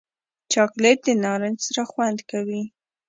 چاکلېټ د نارنج سره خوند کوي.